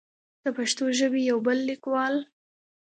د پښتو ژبې يو بل ليکوال